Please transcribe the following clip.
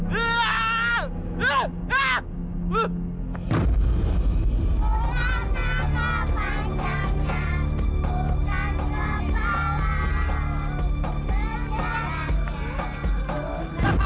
kurang naga panjangnya bukan kepala